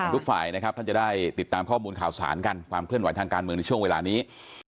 ทุกฝ่ายนะครับท่านจะได้ติดตามข้อมูลข่าวสารกันความเคลื่อนไหวทางการเมืองในช่วงเวลานี้